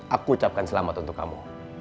aku ucapkan selamat untuk kamu